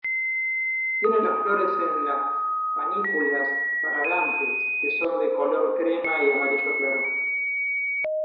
Tiene las flores en panículas fragantes que son de color crema a amarillo claro.